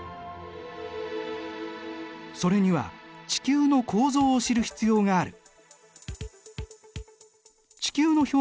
それには地球の構造を知る必要がある。